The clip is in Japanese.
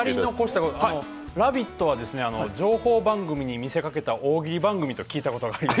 「ラヴィット！」は情報番組に見せかけた大喜利番組だと聞いたことがあります。